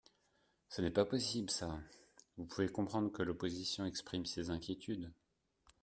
Ce n’est pas possible, ça ! Vous pouvez comprendre que l’opposition exprime ses inquiétudes.